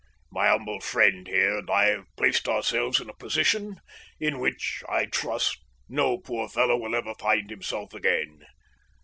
My humble friend here and I have placed ourselves in a position in which, I trust, no poor fellow will ever find himself again.